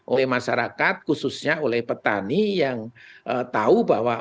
oleh masyarakat khususnya oleh petani yang tahu bahwa